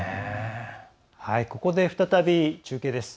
ここで再び中継です。